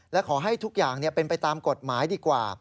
และขอให้ทุกอย่างเป็นไปตามกฎหมายดีกว่า